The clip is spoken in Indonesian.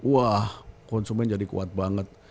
wah konsumen jadi kuat banget